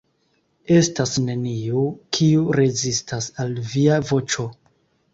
Estas neniu, kiu rezistas al Via voĉo.